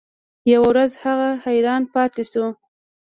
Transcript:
یوه ورځ هغه حیران پاتې شو.